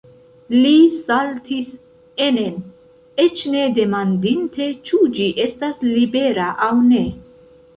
Li saltis enen, eĉ ne demandinte, ĉu ĝi estas libera aŭ ne.